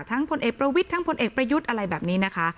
พลเอกประวิทย์ทั้งพลเอกประยุทธ์อะไรแบบนี้นะคะ